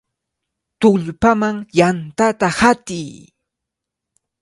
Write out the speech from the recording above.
¡Tullpaman yantata hatiy!